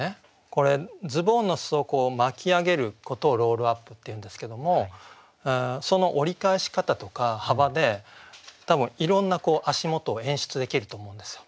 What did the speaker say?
これズボンの裾を巻き上げることをロールアップって言うんですけどもその折り返し方とか幅で多分いろんな足元を演出できると思うんですよ。